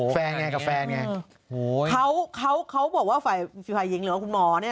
แฟนไงกับแฟนไง